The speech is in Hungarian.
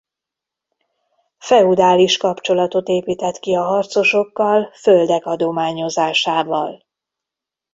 Feudális kapcsolatot épített ki a harcosokkal földek adományozásával.